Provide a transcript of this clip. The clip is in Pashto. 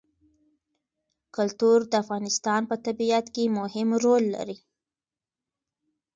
کلتور د افغانستان په طبیعت کې مهم رول لري.